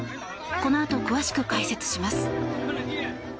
このあと詳しく解説します。